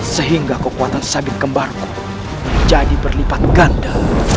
sehingga kekuatan sabit kembar menjadi berlipat ganda